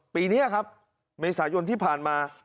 ปีนี้ครับเมษายนที่ผ่านมา